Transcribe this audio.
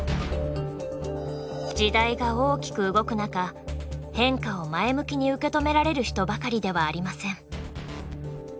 時代が大きく動く中変化を前向きに受け止められる人ばかりではありません。